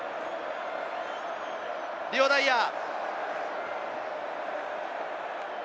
リオ・ダイアー。